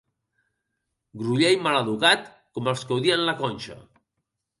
Groller i maleducat com els que odien la Conxa.